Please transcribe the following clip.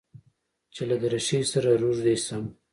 چې له دريشۍ سره روږدى سم.